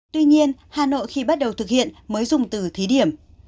tuy nhiên hà nội khi bắt đầu thực hiện mới dùng từ thí điểm